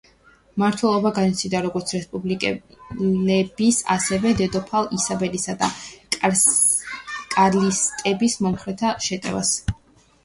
ამადეო სავოიელის მმართველობა განიცდიდა როგორც რესპუბლიკელების, ასევე დედოფალ ისაბელისა და კარლისტების მომხრეთა შეტევას.